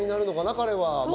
彼は。